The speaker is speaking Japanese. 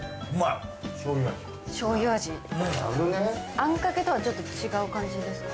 あんかけとはちょっと違う感じですか？